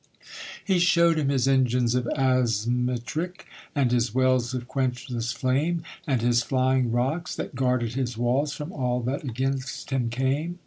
He showed him his engines of arsmetrick And his wells of quenchless flame, And his flying rocks, that guarded his walls From all that against him came.